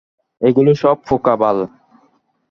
এগুলো সব পোকা বাল।